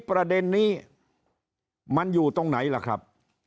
ประเด็นนี้มันอยู่ตรงไหนล่ะครับ